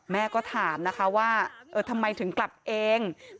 แม่ก็ถามนะคะว่าเออทำไมถึงกลับเอง